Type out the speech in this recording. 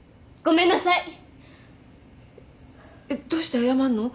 えっどうして謝んの？